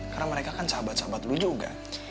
karena mereka kan sahabat sahabat lo juga